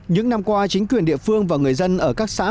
những năm qua chính quyền địa phương và người dân ở các xã